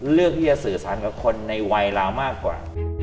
เลือกที่จะสื่อสารกับคนในวัยเรามากกว่า